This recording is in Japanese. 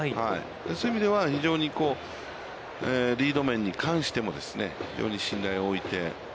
そういう意味では非常にリード面に関しても信頼を置いて。